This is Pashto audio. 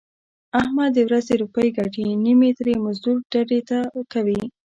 احمد د ورځې روپۍ ګټي نیمې ترې مزدور ډډې ته کوي.